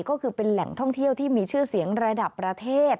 ก็คือเป็นแหล่งท่องเที่ยวที่มีชื่อเสียงระดับประเทศ